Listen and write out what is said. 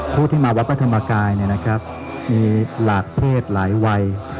พูดที่มาว่าประธรรมกายนะครับมีหลากเพศหลายวัย